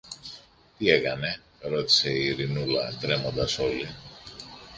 Τι έκανε; ρώτησε η Ειρηνούλα τρέμοντας όλη.